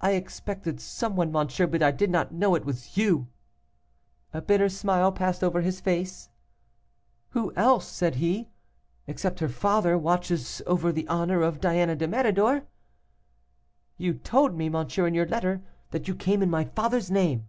'I expected some one, monsieur, but I did not know it was you.' A bitter smile passed over his face. 'Who else,' said he, 'except her father, watches over the honor of Diana de Méridor?' 'You told me, monsieur, in your letter, that you came in my father's name.